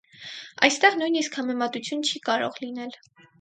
Այստեղ նույնիսկ համեմատություն չի կարող լինել։